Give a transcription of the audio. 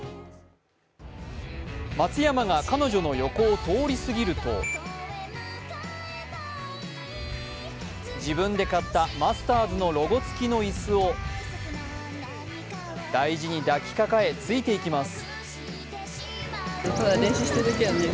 松山が彼女の横を通り過ぎると自分で買ったマスターズのロゴ付きの椅子を大事にだき抱えついていきます。